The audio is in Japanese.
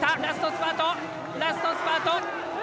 ラストスパートラストスパート！